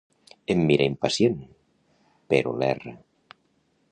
Em mira impacient, però l'erra.